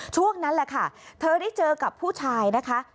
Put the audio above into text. ช่วงนั้นแหละค่ะเธอได้เจอกับผู้ชายนะคะ